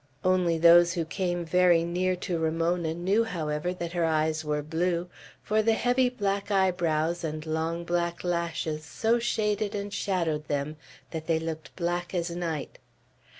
Only those who came very near to Ramona knew, however, that her eyes were blue, for the heavy black eyebrows and long black lashes so shaded and shadowed them that they looked black as night.